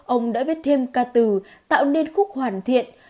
ông đã viết thêm ca từ tạo nên khúc hoàn thiện